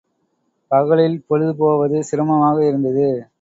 பகலில் பொழுது போவது சிரமமாக இருந்தது.